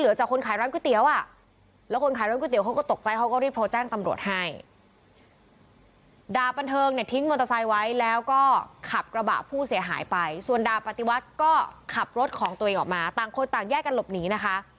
ดาบปันเทิงเนี่ยทิ้งมอเตอร์ไซค์ไว้แล้วก็ขับกระบะผู้เสียหายไปส่วนดาบปฏิวัติก็ขับรถของตัวเองออกมาต่างคนต่างแยกกันหลบหนีนะคะ